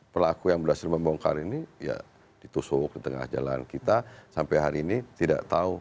pelaku yang berhasil membongkar ini ya ditusuk di tengah jalan kita sampai hari ini tidak tahu